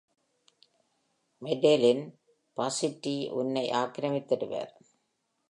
Madeline Bassett உன்னை ஆக்கிரமித்திடுவார்.